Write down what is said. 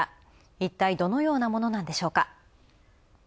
いったい、どのようなものなんでしょうか。